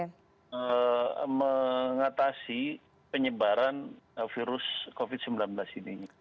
jadi itu adalah hal yang harus kita lakukan untuk mengatasi penyebaran virus covid sembilan belas ini